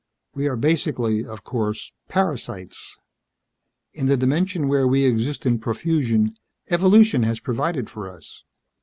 We are, basically of course, parasites. In the dimension where we exist in profusion, evolution has provided for us.